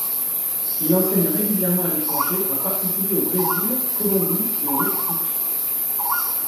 Il enseigne régulièrement à l’étranger, en particulier au Brésil, Colombie et au Mexique.